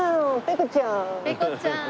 ペコちゃん！